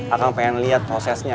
akang pengen liat prosesnya